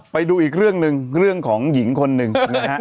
ไปดูอีกเรื่องหนึ่งเรื่องของหญิงคนหนึ่งนะฮะ